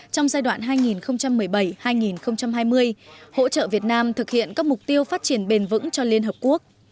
trong giai đoạn hai nghìn một mươi bảy hai nghìn hai mươi hỗ trợ việt nam thực hiện các mục tiêu phát triển bền vững cho liên hợp quốc